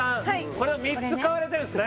これを３つ買われてるんですね